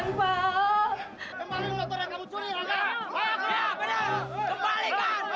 kewarahan mereka sudah gak tertahan pak